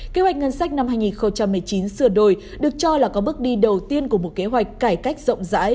kế hoạch ngân sách năm hai nghìn một mươi chín sửa đổi được cho là có bước đi đầu tiên của một kế hoạch cải cách rộng rãi